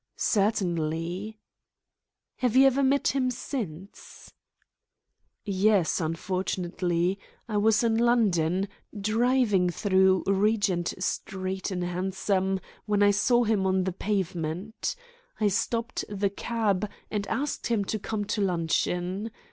"Certainly." "Have you ever met him since?" "Yes, unfortunately. I was in London, driving through Regent Street in a hansom, when I saw him on the pavement. I stopped the cab, and asked him to come to luncheon.